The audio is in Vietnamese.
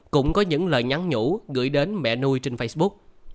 cũng có những lời nhắn nhủ gửi đến mẹ nuôi trên facebook